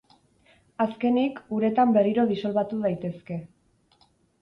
Azkenik, uretan berriro disolbatu daitezke.